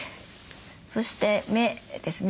そして目ですね。